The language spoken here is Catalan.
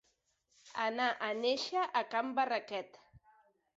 Anar a néixer a Can Barraquet.